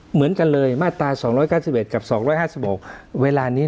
เหมือนกันเลยมาตรา๒๙๑กับ๒๕๖เวลานี้